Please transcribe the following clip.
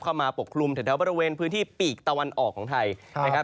ปกคลุมแถวบริเวณพื้นที่ปีกตะวันออกของไทยนะครับ